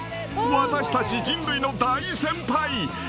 私たち人類の大先輩へんてこ